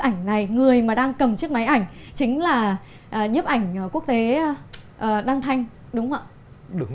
ảnh này người mà đang cầm chiếc máy ảnh chính là nhiếp ảnh quốc tế đăng thanh đúng không ạ đúng